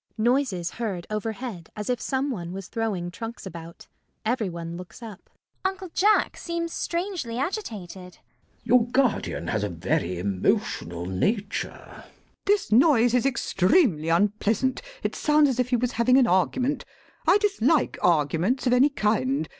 [Noises heard overhead as if some one was throwing trunks about. Every one looks up.] CECILY. Uncle Jack seems strangely agitated. CHASUBLE. Your guardian has a very emotional nature. LADY BRACKNELL. This noise is extremely unpleasant. It sounds as if he was having an argument. I dislike arguments of any kind.